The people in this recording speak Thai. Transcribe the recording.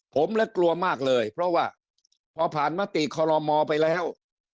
ผมและกลัวมากเลยเพราะว่าพอผ่านมติคอลโลมอไปแล้ว